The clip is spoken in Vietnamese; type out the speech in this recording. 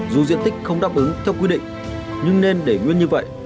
dù diện tích không đáp ứng theo quy định nhưng nên để nguyên như vậy